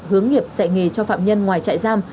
hướng nghiệp dạy nghề cho phạm nhân ngoài trại giam